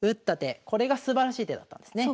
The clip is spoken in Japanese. これがすばらしい手だったんですね。